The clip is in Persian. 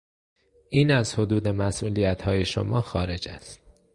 این از حدود مسئولیتهای شما خارج است.